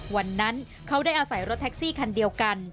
วันนั้นเขาได้อาศัยรถแท็กซี่คันเดียวกัน